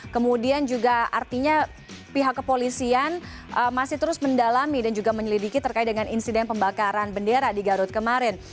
kemudian juga artinya pihak kepolisian masih terus mendalami dan juga menyelidiki terkait dengan insiden pembakaran bendera di garut kemarin